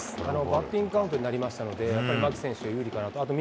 バッティングカウントになりましたので、やっぱり牧選手有利かなと。